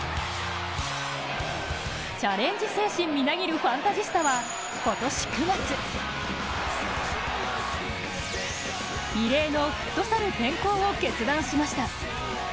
チャレンジ精神みなぎるファンタジスタは今年９月異例のフットサル転向を決断しました。